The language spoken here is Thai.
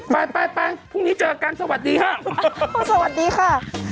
ไปไปพรุ่งนี้เจอกันสวัสดีค่ะ